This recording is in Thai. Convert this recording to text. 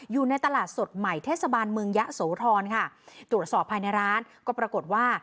อยู่ในตลาดสดใหม่เทศบาลเมืองยะโสธรค่ะตรวจสอบภายในร้านก็ปรากฏว่า